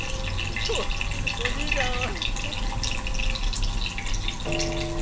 おじいちゃんは。